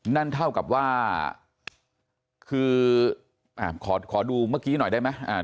นั่นเท่ากับว่าคือขอดูเมื่อกี้หน่อยได้ไหม